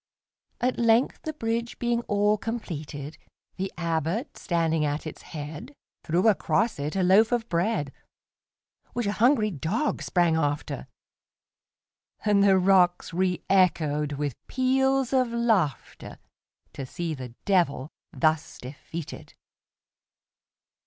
At length, the bridge being all completed, The Abbot, standing at its head, Threw across it a loaf of bread, Which a hungry dog sprang after, And the rocks reëchoed with peals of laughterTo see the Devil thus defeated!